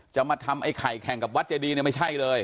จะมาทำไอ้ไข่แข่งกับวัดเจดีเนี่ยไม่ใช่เลย